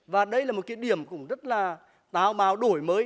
và đây là một cái điểm cũng rất là tạo bào đổi mới